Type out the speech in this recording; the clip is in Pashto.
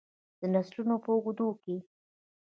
د نسلونو په اوږدو کې.